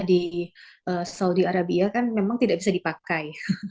di saudi arabia kan memang tidak bisa dipakai